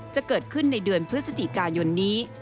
จะเกิดขึ้นในเดือนพฤศจิกายนนี้